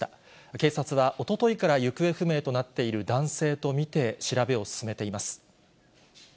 警察はおとといから行方不明となっている男性と見て調べを進めています。